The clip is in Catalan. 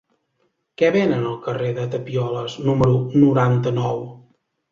Què venen al carrer de Tapioles número noranta-nou?